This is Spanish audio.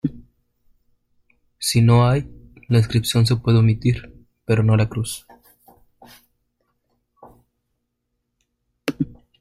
Si no hay, la inscripción se puede omitir, pero no la cruz.